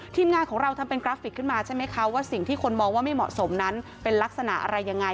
ทีมงานของเราทำเป็นกราฟิกขึ้นมาใช่ไหมคะว่าสิ่งที่คนมองว่าไม่เหมาะสมนั้นเป็นลักษณะอะไรยังไง